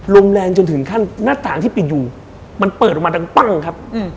ลมแรงจนถึงขั้นหน้าต่างที่ปิดอยู่มันเปิดออกมาดังปั้งครับ